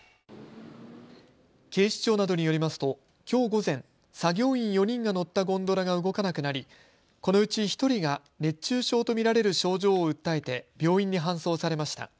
警視庁などによりますときょう午前、作業員４人が乗ったゴンドラが動かなくなりこのうち１人が熱中症と見られる症状を訴えて病院に搬送されました。